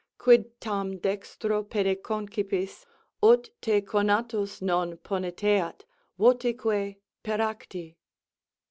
Quid tain dextro pede concipis, ut te Conatus non poniteat, votique peracti?